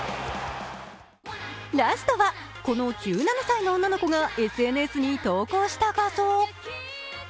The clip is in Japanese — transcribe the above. ラストはこの１７歳の女の子がＳＮＳに投稿した画像。